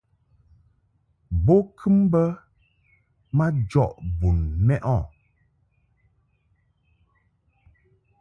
Bo kɨ mbə majɔʼ bun mɛ o.